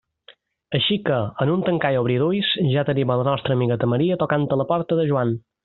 Així que, en un tancar i obrir d'ulls, ja tenim a la nostra amigueta Maria tocant a la porta de Joan.